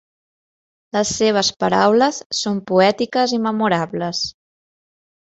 Les seves paraules són poètiques i memorables.